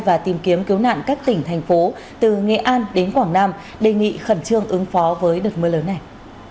và tìm kiếm cứu nạn các tỉnh thành phố từ nghệ an đến quảng nam đề nghị khẩn trương ứng phó với đợt mưa lớn này